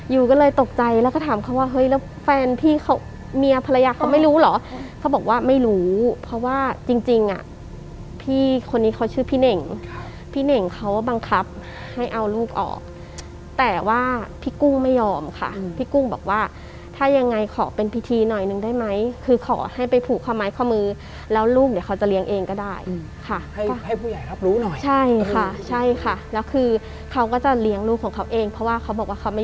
อยู่ก็เลยตกใจแล้วก็ถามเขาว่าเฮ้ยแล้วแฟนพี่เขาเมียภรรยาเขาไม่รู้เหรอเขาบอกว่าไม่รู้เพราะว่าจริงอ่ะพี่คนนี้เขาชื่อพี่เน่งพี่เน่งเขาบังคับให้เอาลูกออกแต่ว่าพี่กุ้งไม่ยอมค่ะพี่กุ้งบอกว่าถ้ายังไงขอเป็นพิธีหน่อยนึงได้ไหมคือขอให้ไปผูกค้าไม้ค้ามือแล้วลูกเดี๋ยวเขาจะเลี้ยงเองก็ได